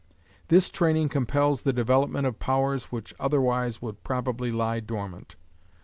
This training compels the development of powers which otherwise would probably lie dormant.